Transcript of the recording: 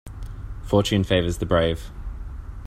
Fortune favours the brave.